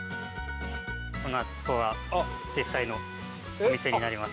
ここが実際のお店になります。